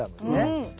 うん。